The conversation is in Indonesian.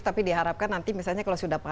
tapi diharapkan nanti misalnya kalau sudah